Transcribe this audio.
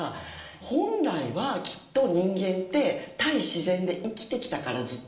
本来はきっと人間って対自然で生きてきたからずっと。